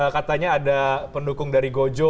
katanya ada pendukung dari gojo